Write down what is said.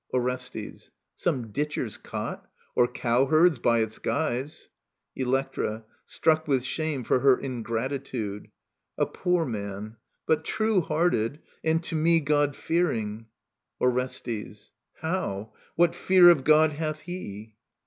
Orestes. Some ditcher's cot, or cowherd's, by its guise ! Electra {struct with shame for her ingratitude), A poor man ; but true hearted, and to me God fearing. Orestes. How i What fear of God hath he